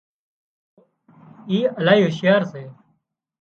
چم تو اِي الاهي هُوشيار سي